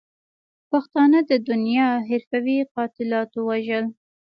پښتانه د دنیا حرفوي قاتلاتو وژل.